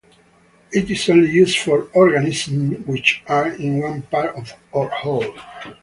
It is only used for organisms which are in one part or whole.